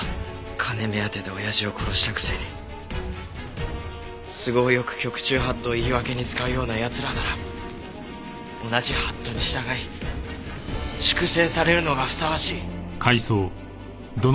金目当てで親父を殺したくせに都合よく局中法度を言い訳に使うような奴らなら同じ法度に従い粛清されるのがふさわしい。